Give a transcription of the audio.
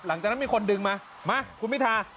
หลังจากนั้นมีคนดึงมามาคุณพิธา